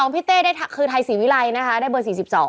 ๔๒พี่เต้คือไทยศิวิไลนะคะได้เบอร์๔๒